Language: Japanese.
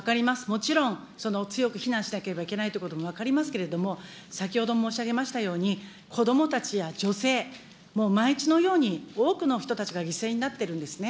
もちろん強く非難しなければいけないということも分かりますけれども、先ほども申し上げましたように、子どもたちや女性、もう毎日のように多くの人たちが犠牲になってるんですね。